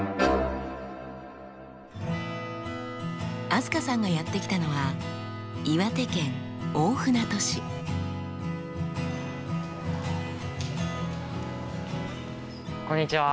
飛鳥さんがやって来たのはこんにちは。